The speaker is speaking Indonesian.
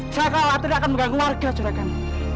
saya kalaulah tidak akan mengganggu warga juragan